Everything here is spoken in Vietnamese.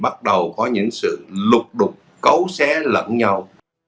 bắt đầu có những sự lục đục cấu xé lẫn nhau